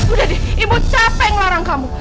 udah deh ibu capek ngelarang kamu